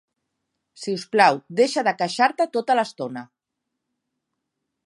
Si us plau, deixa de queixar-te tota l'estona!